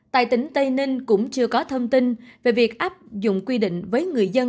tại tỉnh tây ninh cũng chưa có thông tin về việc áp dụng quy định với người dân